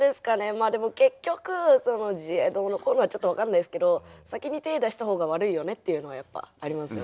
まあでも結局その自衛どうのこうのはちょっと分かんないですけど先に手出した方が悪いよねっていうのはやっぱありますよね。